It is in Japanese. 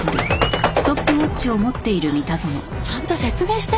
ちゃんと説明して。